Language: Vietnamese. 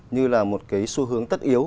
như là một cái xu hướng tất yếu